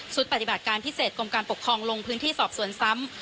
ปฏิบัติการพิเศษกรมการปกครองลงพื้นที่สอบสวนซ้ำ